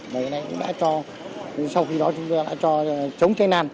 và hôm nay cũng đã cho sau khi đó chúng tôi đã cho chống cháy nan